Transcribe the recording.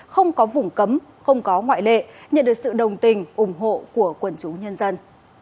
không có vùng cấm không có ngoại lệ nhận được sự đồng tình ủng hộ của quần chúng nhân dân